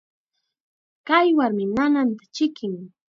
Kay warmim nananta chikin.